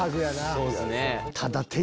そうですね。